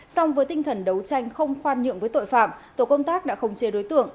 song với tinh thần đấu tranh không khoan nhượng với tội phạm tổ công tác đã không chê đối tượng